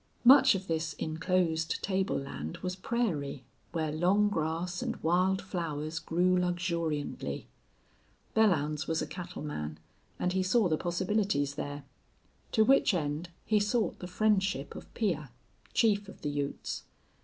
Much of this inclosed table land was prairie, where long grass and wild flowers grew luxuriantly. Belllounds was a cattleman, and he saw the possibilities there. To which end he sought the friendship of Piah, chief of the Utes.